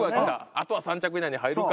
あとは３着以内に入るか。